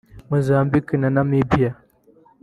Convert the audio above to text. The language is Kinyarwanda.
Mozambique na Namibia